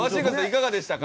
いかがでしたか？